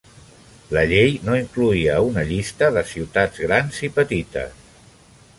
La llei no incloïa una llista de ciutats grans i petites.